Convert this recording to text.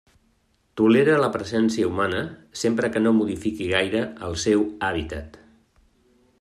Tolera la presència humana, sempre que no modifiqui gaire el seu hàbitat.